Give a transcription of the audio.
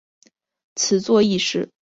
此作亦是他为人所知的作品之一。